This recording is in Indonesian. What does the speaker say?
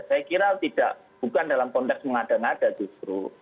saya kira bukan dalam konteks mengada ngada justru